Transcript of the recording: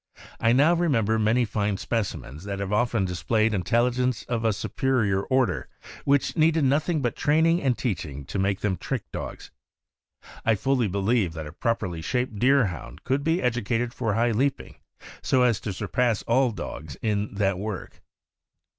I now remember many fine specimens that have often displayed intelligence of a superior order, which needed nothing but training and teaching to make them trick dogs. I fully believe that a properly shaped Deerhound could be edu cated for high leaping so as to surpass all dogs in that work.